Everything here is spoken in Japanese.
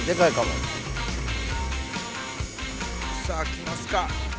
さあきますか？